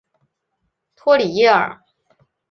托里耶尔。